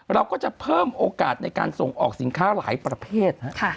เราก็จะเพิ่มโอกาสในการส่งออกสินค้าหลายประเภท